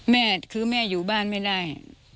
แม่คือแม่อยู่บ้านไม่ได้